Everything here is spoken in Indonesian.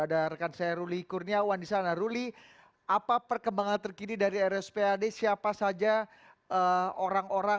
hanya dengan upaya kita bersama sama